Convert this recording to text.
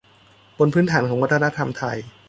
บนพื้นฐานของวัฒนธรรมไทย